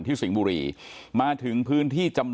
ที่สิงห์บุรีมาถึงพื้นที่